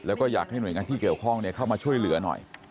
แล้วก็อยากให้หน่วยงานที่เกี่ยวข้องเข้ามาช่วยเหลือหน่อย